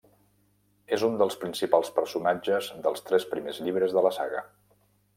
És un dels principals personatges dels tres primers llibres de la saga.